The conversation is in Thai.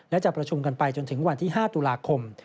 และจะประชุมกันไปจนถึงวันที่๕ตุลาคม